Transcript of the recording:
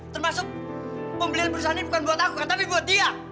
termasuk pembelian perusahaan ini bukan buat aku tapi buat dia